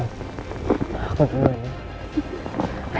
aku duluan ya